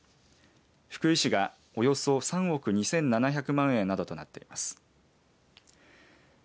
福井市がおよそ３億２７００万円などとなっています。